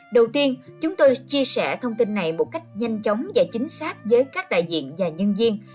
đầu tiên chúng tôi chia sẻ thông tin này một cách nhanh chóng và chính xác với các đại diện và nhân viên